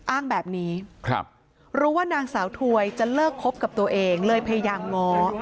อ้างแบบนี้รู้ว่านางสาวถวยจะเลิกคบกับตัวเองเลยพยายามง้อ